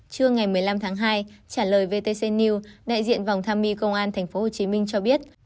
trưa ngày một mươi năm tháng hai trả lời vtc news đại diện vòng tham mi công an tp hcm cho biết